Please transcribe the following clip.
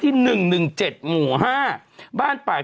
แต้วไหนวะ